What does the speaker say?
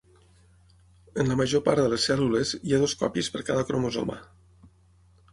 En la major part de les cèl·lules hi ha dues còpies per cada cromosoma.